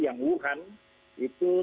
yang wuhan itu